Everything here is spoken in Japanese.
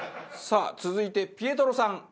さあ続いてピエトロさん。